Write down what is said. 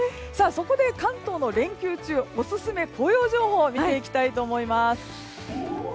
そこで、関東の連休中オススメ紅葉情報を見ていきたいと思います。